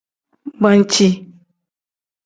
Banci.